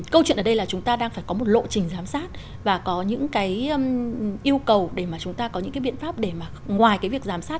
câu chuyện ở đây là chúng ta đang phải có một lộ trình giám sát và có những cái yêu cầu để mà chúng ta có những cái biện pháp để mà ngoài cái việc giám sát